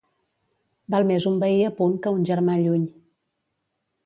Val més un veí a punt que un germà lluny.